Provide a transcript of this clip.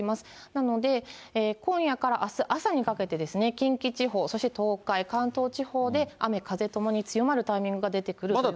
なので、今夜からあす朝にかけて、近畿地方、そして東海、関東地方で雨風ともに強まるタイミングが出てくることがあります。